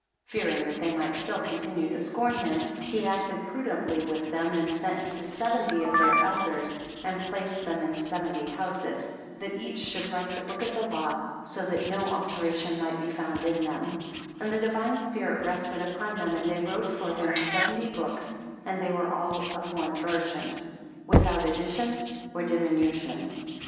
Fearing that they might still continue to scorn him, he acted prudently with them and sent to seventy of their elders and placed them in seventy houses, that each should write the book of the law, so that no alteration might be found in them, and the divine spirit rested upon them, and they wrote for him seventy books and they were all of one version,, without addition or diminution.